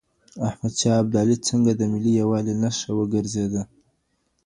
احمد شاه ابدالي څنګه د ملي يووالي نښه وګرځېد؟